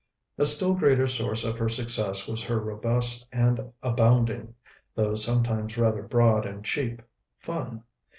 A still greater source of her success was her robust and abounding, though sometimes rather broad and cheap, fun.